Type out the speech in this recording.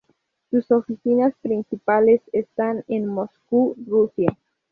Sus oficinas principales están en Moscú, Rusia.